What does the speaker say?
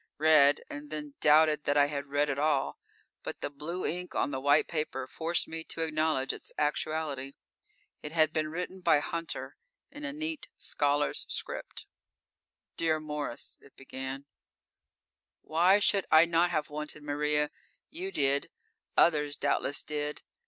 Read, and then doubted that I had read at all but the blue ink on the white paper forced me to acknowledge its actuality. It had been written by Hunter, in a neat, scholar's script. Dear Morris: (It began) _Why should I not have wanted Maria? You did; others doubtless did.